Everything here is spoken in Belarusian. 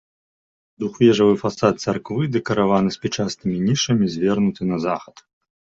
Двухвежавы фасад царквы, дэкараваны спічастымі нішамі, звернуты на захад.